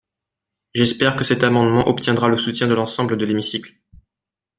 J’espère que cet amendement obtiendra le soutien de l’ensemble de l’hémicycle.